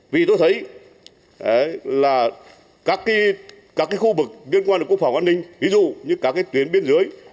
vì tôi thấy là các khu vực liên quan đến quốc phòng an ninh ví dụ như các tuyến biên giới